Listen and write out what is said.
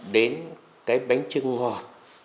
đến cái bánh trưng ngọt